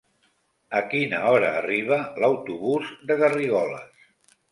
A quina hora arriba l'autobús de Garrigoles?